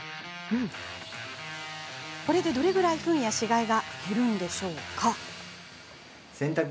これで、どれぐらいフンや死骸が減るんでしょうか？